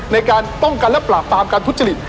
ในการป้องกันและปราบปรามการทุจริต